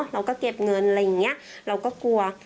เราก็เก็บเงินอะไรอย่างนี้เราก็กลัว